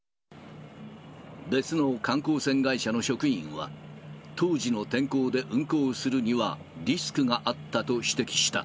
別の観光船会社の職員は、当時の天候で運航するには、リスクがあったと指摘した。